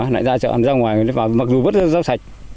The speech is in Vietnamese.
nãy ra chợ ra ngoài mặc dù vẫn rau sạch